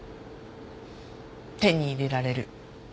手に入れられる。